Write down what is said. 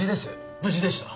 無事でしたぶじ